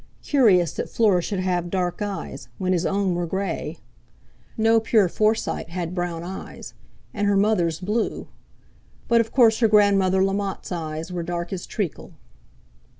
Curious that Fleur should have dark eyes, when his own were grey—no pure Forsyte had brown eyes—and her mother's blue! But of course her grandmother Lamotte's eyes were dark as treacle!